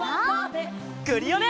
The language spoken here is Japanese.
クリオネ！